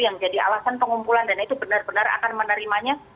yang jadi alasan pengumpulan dana itu benar benar akan menerimanya